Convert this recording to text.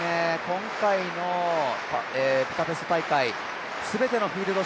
今回のブダペスト大会、全てのフィールド